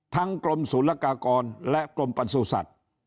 ทั้งกลมศูนย์ละกากรและกลมปัสสุศัตริย์